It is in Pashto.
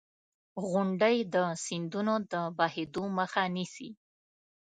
• غونډۍ د سیندونو د بهېدو مخه نیسي.